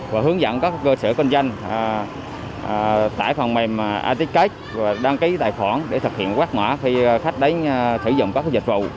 và hướng dẫn các cơ sở công doanh tải phòng mềm aticcate và đăng ký tài khoản để thực hiện quát mã khi khách đến sử dụng các dịch vụ